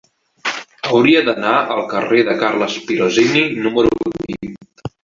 Hauria d'anar al carrer de Carles Pirozzini número vint.